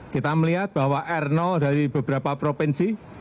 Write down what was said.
kita melihat bahwa r dari beberapa provinsi